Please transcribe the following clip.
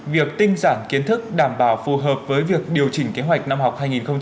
việc tinh giản kiến thức đảm bảo phù hợp với việc điều chỉnh kế hoạch năm học hai nghìn hai mươi hai nghìn hai mươi